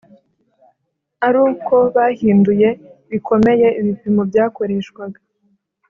ari uko bahinduye bikomeye ibipimo byakoreshwaga